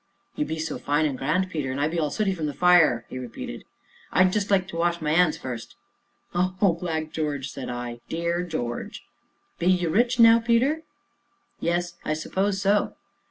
"You be so fine an' grand, Peter, an' I be all sooty from the fire!" he repeated. "I'd like to just wash my 'ands first." "Oh, Black George!" said I, "dear George." "Be you rich now, Peter?" "Yes, I suppose so."